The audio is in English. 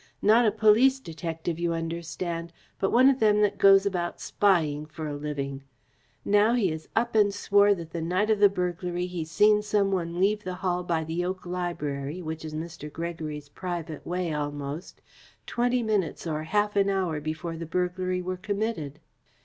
"Not a police detective, you understand, but one of them that goes about spying for a living. Now he is up and swore that the night of the burglary he seen some one leave the Hall by the oak library, which is Mr. Gregory's private way almost, twenty minutes or half an hour before the burglary were committed."